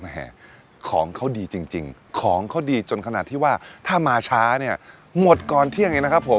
ของเขาดีจริงของเขาดีจนขนาดที่ว่าถ้ามาช้าเนี่ยหมดก่อนเที่ยงเองนะครับผม